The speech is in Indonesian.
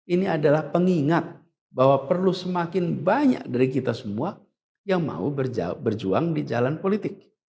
ini adalah pengingat bahwa perlu semakin banyak dari kita semua yang mau berjuang di jalan politik